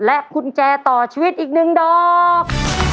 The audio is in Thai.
กุญแจต่อชีวิตอีก๑ดอก